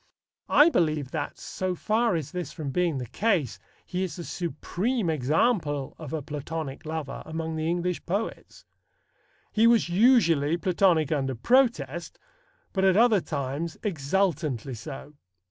I believe that, so far is this from being the case, he is the supreme example of a Platonic lover among the English poets. He was usually Platonic under protest, but at other times exultantly so.